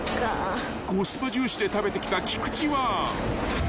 ［コスパ重視で食べてきた菊地は］